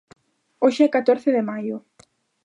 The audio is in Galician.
Hoxe é catorce de maio.